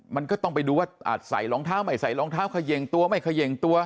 มันก็ต้องไปดูว่าใส่รองเท้าไม่ใส่รองเท้าเขย่งตัวไม่เขย่งตัว